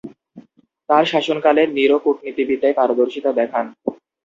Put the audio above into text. তার শাসনকালে নিরো কূটনীতিবিদ্যায় পারদর্শীতা দেখান।